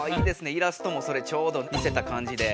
イラストもそれちょうどにせたかんじで。